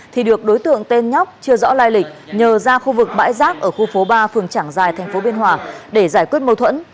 thì được đối tượng tên nhóc chưa rõ lai lịch nhờ ra khu vực bãi rác ở khu phố ba phường trảng giài thành phố biên hòa để giải quyết mâu thuẫn